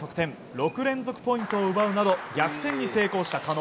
６連続ポイントを奪うなど逆転に成功した加納。